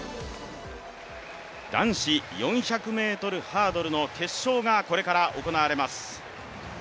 男子４００ｍハードルの決勝がこれから行われます。